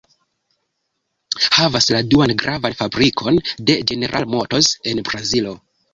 Havas la duan gravan fabrikon de General Motors en Brazilo.